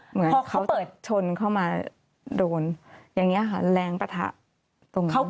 เหมือนพอเขาเปิดชนเข้ามาโดนอย่างนี้ค่ะแรงปะทะตรงนี้